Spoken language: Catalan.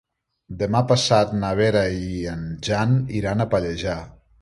Demà passat na Vera i en Jan iran a Pallejà.